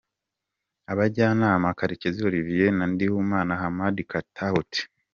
Abajyanama: Karekezi Olivier na Ndikumana Hamadi Katauti.